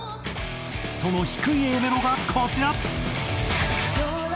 その低いＡメロがこちら。